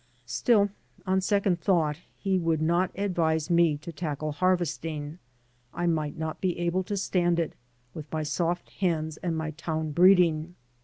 Still, on second thought, he would not advise me to tackle harvesting. I might not be able to stand it, with my soft hands and my town breeding.